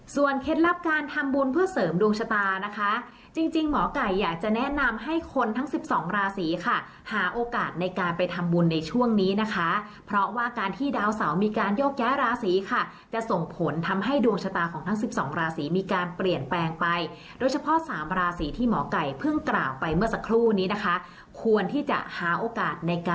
เคล็ดลับการทำบุญเพื่อเสริมดวงชะตานะคะจริงหมอไก่อยากจะแนะนำให้คนทั้ง๑๒ราศีค่ะหาโอกาสในการไปทำบุญในช่วงนี้นะคะเพราะว่าการที่ดาวเสามีการโยกย้ายราศีค่ะจะส่งผลทำให้ดวงชะตาของทั้ง๑๒ราศีมีการเปลี่ยนแปลงไปโดยเฉพาะสามราศีที่หมอไก่เพิ่งกล่าวไปเมื่อสักครู่นี้นะคะควรที่จะหาโอกาสในการ